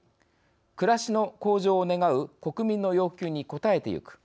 暮らしの向上を願う国民の要求に応えてゆく」